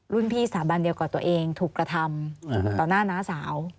พี่สถาบันเดียวกับตัวเองถูกกระทำต่อหน้าน้าสาว